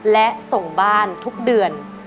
และส่งบ้านทุกเดือน